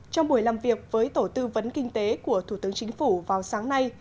trong buổi làm việc với tổ tư vấn kinh tế của thủ tướng chính phủ vào sáng nay